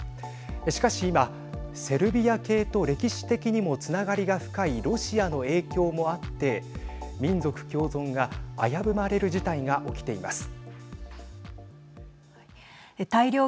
しかし今、セルビア系と歴史的にもつながりが深いロシアの影響もあって民族共存が危ぶまれる事態が起きています。